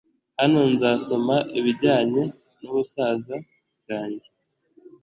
hano nzasoma ibijyanye n'ubusaza bwanjye